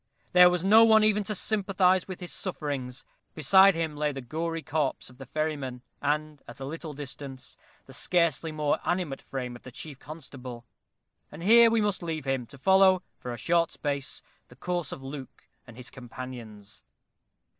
There was no one even to sympathize with his sufferings. Beside him lay the gory corpse of the ferryman, and, at a little distance, the scarcely more animate frame of the chief constable. And here we must leave him, to follow, for a short space, the course of Luke and his companions.